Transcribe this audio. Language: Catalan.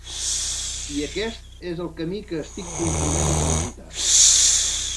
I aquest és el camí que estic compromès a transitar.